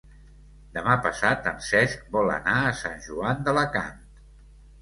Demà passat en Cesc vol anar a Sant Joan d'Alacant.